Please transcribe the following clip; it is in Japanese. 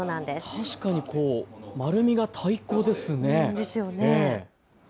確かに丸みが太鼓ですよね。